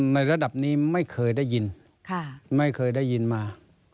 ในระดับนี้ไม่เคยได้ยินมา